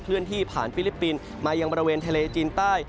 เลื่อนที่ผ่านฟิลิปปินส์มายังบริเวณทะเลจีนใต้